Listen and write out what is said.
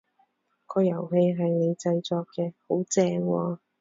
個遊戲係你製作嘅？好正喎！